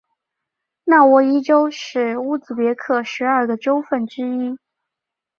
纳沃伊州是乌兹别克十二个州份之一。